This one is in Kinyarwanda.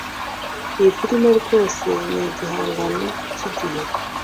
Iyi firime rwose ni igihangano cyigihe.